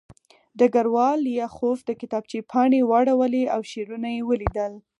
ډګروال لیاخوف د کتابچې پاڼې واړولې او شعرونه یې ولیدل